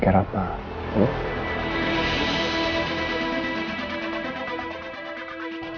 kacau tau gak sih